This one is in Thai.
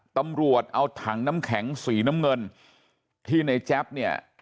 ตำรวจเอาถังน้ำแข็งสีน้ำเงินที่ในแจ๊บเนี่ย